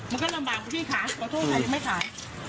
มันก็ลำบากว่ามีที่ขายปฏิเสธไว้หรือไม่ขาย